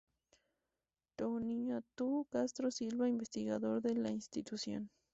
Tonatiuh Castro Silva, investigador de la institución.